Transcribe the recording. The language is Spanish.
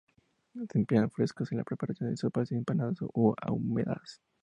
Se emplean frescas en la preparación de sopas y empanadas o ahumadas.